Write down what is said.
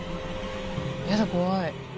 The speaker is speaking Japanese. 嫌だ怖い。